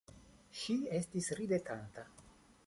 Ŝi estis ridetanta.